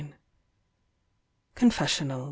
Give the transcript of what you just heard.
CONFESSIONAL.